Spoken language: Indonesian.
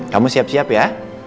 kamu siap siap ya